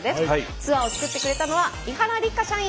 ツアーを作ってくれたのは伊原六花社員。